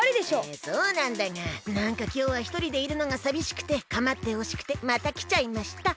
そうなんだがなんかきょうはひとりでいるのがさびしくてかまってほしくてまたきちゃいました。